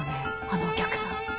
あのお客さん。